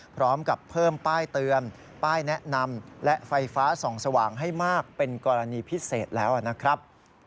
พร้อมกับเพิ่มป้ายเตือนป้ายแนะนำและไฟฟ้าส่องสว่างให้มากเป็นกรณีพิเศษแล้วนะครับ